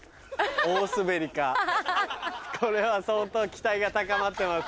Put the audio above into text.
これは相当期待が高まってます。